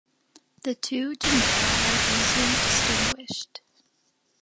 The two genera are easily distinguished.